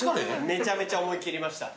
めちゃめちゃ思い切りました。